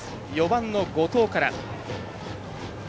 ４番の後藤から。